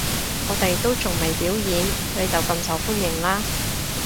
我哋都仲未表演，你就咁受歡迎喇